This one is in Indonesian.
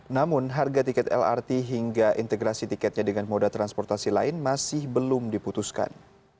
namun harga tiket lrt hingga integrasi tiketnya dengan moda transportasi lain masih belum diputuskan